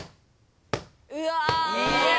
うわ！